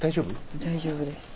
大丈夫です。